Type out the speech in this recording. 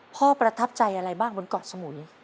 ประทับใจอะไรบ้างบนเกาะสมุย